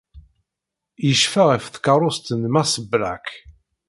Yecfa ɣef tkeṛṛust n Mass Black.